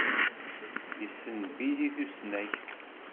Yessen Bil i tusnakt.